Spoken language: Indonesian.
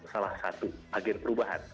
salah satu agen perubahan